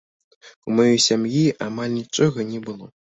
У маёй сям'і амаль нічога не было.